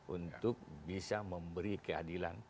untuk bisa memberi keadilan